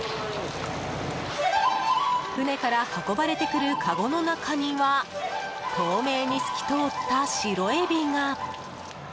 船から運ばれてくるかごの中には透明に透き通った白エビが。